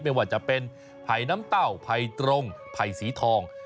ไม่ว่าจะเป็นไผ่น้ำเต้าไผ่ตรงไผ่สีทอง